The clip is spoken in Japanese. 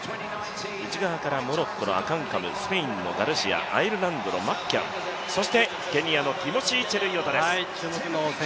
内側からモロッコのアカンカム、スペインのガルシア、アイルランドのマッキャンそしてケニアのティモシー・チェルイヨトです。